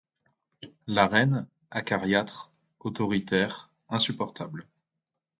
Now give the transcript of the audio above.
La reine, acariâtre, autoritaire, insupportable.